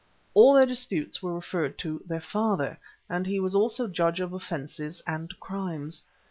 All their disputes were referred to their "father," and he also was judge of offences and crimes.